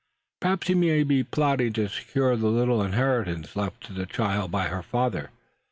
Perhaps he might be plotting to secure the little inheritance left to the child by her father.